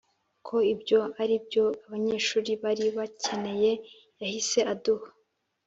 ko ibyo ari byo abanyeshuri bari bakeneye Yahise aduha